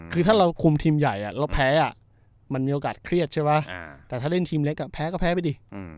คือถ้าเราคุมทีมใหญ่เราแพ้มันมีโอกาสเครียดใช่ไหมแต่ถ้าเล่นทีมเล็กแพ้ก็แพ้ไปดิ